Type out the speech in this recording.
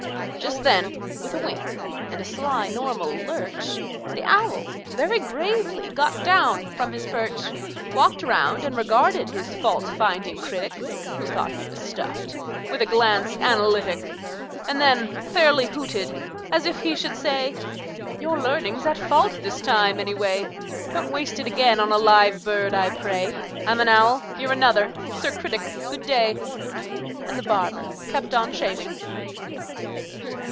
Just then, with a wink and a sly normal lurch, The owl, very gravely, got down from his perch, Walked round, and regarded his fault finding critic (Who thought he was stuffed) with a glance analytic, And then fairly hooted, as if he should say: "Your learning's at fault this time, any way; Don't waste it again on a live bird, I pray. I'm an owl; you're another. Sir Critic, good day!" And the barber kept on shaving.